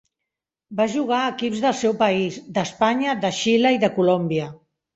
Va jugar a equips del seu país, d'Espanya, de Xile i de Colòmbia.